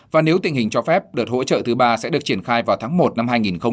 và nếu tình hình cho phép đợt hỗ trợ thứ ba sẽ được triển khai vào tháng một năm hai nghìn hai mươi